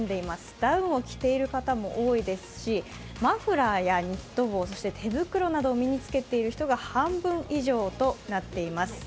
ダウンを着ている方も多いですしマフラーやニット帽手袋などを身に着けている人が半分以上となっています。